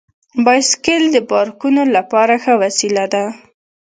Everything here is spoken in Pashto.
بایسکل د پارکونو لپاره ښه وسیله ده.